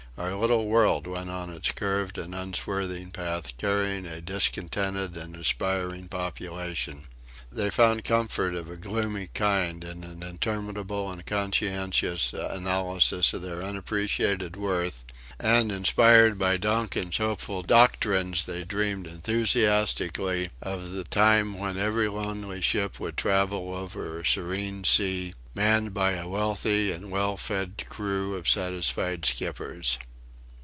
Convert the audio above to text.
Our little world went on its curved and unswerving path carrying a discontented and aspiring population. They found comfort of a gloomy kind in an interminable and conscientious analysis of their unappreciated worth; and inspired by Donkin's hopeful doctrines they dreamed enthusiastically of the time when every lonely ship would travel over a serene sea, manned by a wealthy and well fed crew of satisfied skippers.